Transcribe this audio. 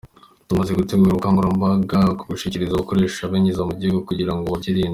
Tumaze gutegura ubukangurambaga bwo gushishikariza ababikoresha, ababyinjiza mu gihugu, kugira ngo babyirinde.